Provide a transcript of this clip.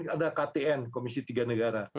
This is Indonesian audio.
ada ktn komisi tiga negara